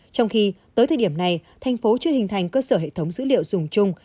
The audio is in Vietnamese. trong khi tới thời điểm này thành phố chưa hình thành cơ sở hệ thống dữ liệu dùng chung